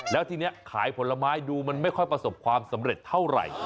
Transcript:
แล้วทีนี้ขายผลไม้ดูมันไม่ค่อยประสบความสำเร็จเท่าไหร่